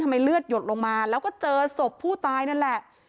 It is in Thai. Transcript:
เลือดหยดลงมาแล้วก็เจอศพผู้ตายนั่นแหละ